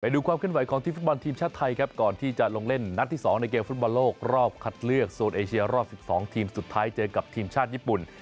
ดูความขึ้นไหวของทีมฟุตบอลทีมชาติไทยครับก่อนที่จะลงเล่นนัดที่๒ในเกมฟุตบอลโลกรอบคัดเลือกโซนเอเชียรอบ๑๒ทีมสุดท้ายเจอกับทีมชาติญี่ปุ่น